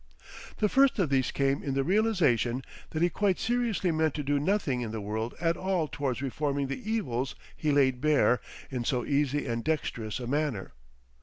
The first of these came in the realisation that he quite seriously meant to do nothing in the world at all towards reforming the evils he laid bare in so easy and dexterous a manner.